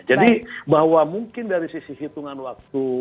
jadi bahwa mungkin dari sisi hitungan waktu